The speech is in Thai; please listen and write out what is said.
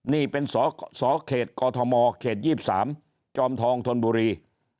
นี่เป็นสเขตกอทมเขต๒๓จอมทองธนบุรี